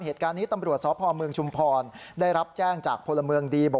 เหตุการณ์นี้ตำรวจสพเมืองชุมพรได้รับแจ้งจากพลเมืองดี